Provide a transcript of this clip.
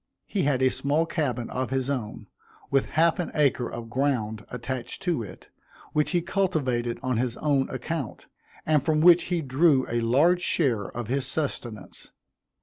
He had a small cabin of his own, with half an acre of ground attached to it, which he cultivated on his own account, and from which he drew a large share of his sustenance.